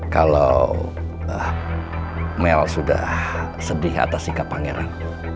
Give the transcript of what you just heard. kalau mel sudah sedih atas sikap pangeran